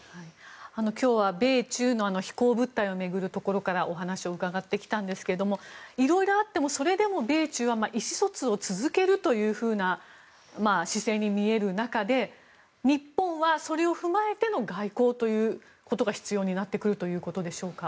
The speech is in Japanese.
今日は米中の飛行物体を巡るところからお話を伺ってきたんですが色々あっても、それでも米中は意思疎通を続けるというふうな姿勢に見える中で日本はそれを踏まえての外交ということが必要になってくるということでしょうか。